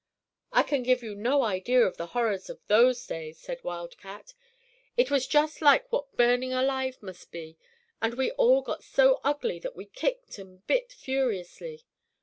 "I can give you no idea of the horrors of those days," said Wildcat. "It was just like what burning alive must be, and we all got so ugly that we kicked and bit furiously.